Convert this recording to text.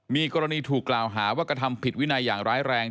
มีกรณีถูกกล่าวหาว่ากระทำผิดวินัยอย่างร้ายแรง